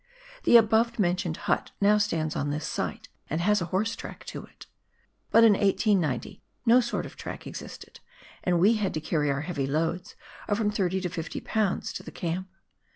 The above mentioned hut now stands on this site, and has a horse track to it. But in 1890 no sort of track existed, and we had to carry our heavy loads of from 30 to 50 lbs. to the camp.